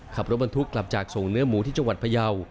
ขับรถบรรทุกกลับจากส่งเนื้อหมูที่จังหวัดพยาว